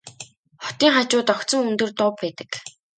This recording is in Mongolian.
Хотын хажууд огцом өндөр дов байдаг.